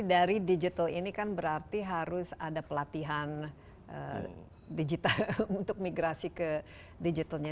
dari digital ini kan berarti harus ada pelatihan digital untuk migrasi ke digitalnya